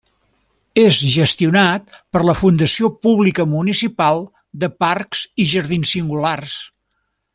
És gestionat per la Fundació Pública Municipal de Parcs i Jardins Singulars.